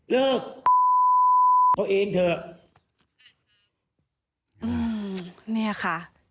เลิกเอาเองเถอะอืมเนี่ยค่ะ